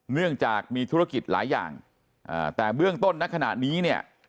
เนื่องจากมีธุรกิจหลายอย่างแต่เบื้องต้นณขณะนี้เนี่ย